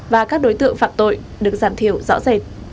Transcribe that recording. và các đối tượng phạm tội được giảm thiểu rõ rệt